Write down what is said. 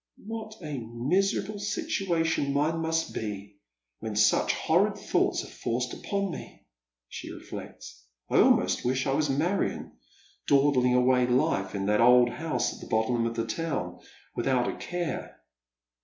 " What a miserable situation mine must be when such horrid thoughts are forced upon me !" she reflects. " I almost wish I were Marion, dawdling away life in that old house at the bottom of the town, without a care."